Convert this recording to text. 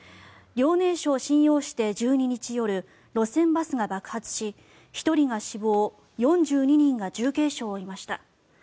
遼寧省瀋陽市で１２日夜路線バスが爆発し１人が死亡４２人が重軽傷を負いました。